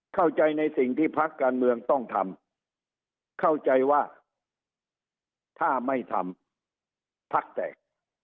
เข้าใจในสิ่งที่พักการเมืองต้องทำเข้าใจว่าถ้าไม่ทำพักแตก